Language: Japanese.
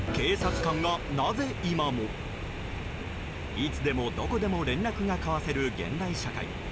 いつでもどこでも連絡が交わせる現代社会。